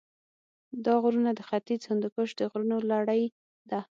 دا غرونه د ختیځ هندوکش د غرونو لړۍ ده.